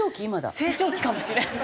成長期かもしれない。